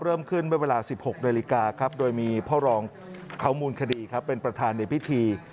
เริ่มขึ้นเมื่อเวลา๑๖นาฬิกาครับโดยมีพ่อรองเขามูลคดีครับเป็นประธานในพิธี